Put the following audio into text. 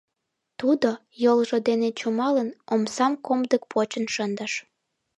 — Тудо, йолжо дене чумалын, омсам комдык почын шындыш.